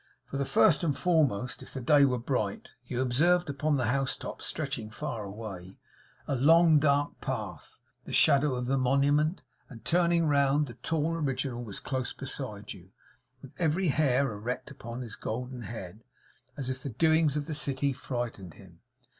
For first and foremost, if the day were bright, you observed upon the house tops, stretching far away, a long dark path; the shadow of the Monument; and turning round, the tall original was close beside you, with every hair erect upon his golden head, as if the doings of the city frightened him.